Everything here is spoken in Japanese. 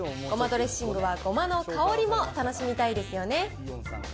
ごまドレッシングは、ごまの香りも楽しみたいですよね。